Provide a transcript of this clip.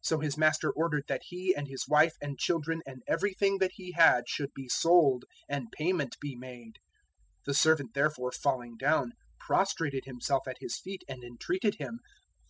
So his master ordered that he and his wife and children and everything that he had should be sold, and payment be made. 018:026 The servant therefore falling down, prostrated himself at his feet and entreated him.